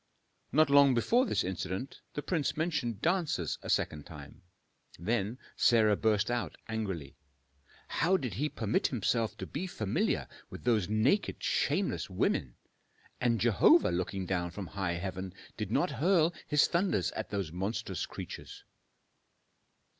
Not long before this incident the prince mentioned dancers a second time. Then Sarah burst out angrily, "How did he permit himself to be familiar with those naked, shameless women? And Jehovah looking down from high heaven did not hurl His thunders at those monstrous creatures!"